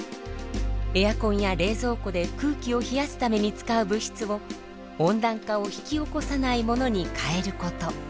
エアコンや冷蔵庫で空気を冷やすために使う物質を温暖化を引き起こさないものに変えること。